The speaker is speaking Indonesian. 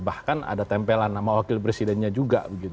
bahkan ada tempelan nama wakil presidennya juga